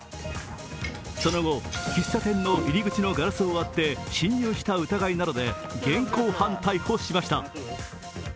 その後、喫茶店の入り口のガラスを割って侵入した疑いなどで現行犯逮捕しました。